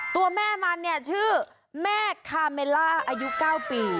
ตัวแม่มันเนี่ยชื่อแม่คาเมล่าอายุ๙ปี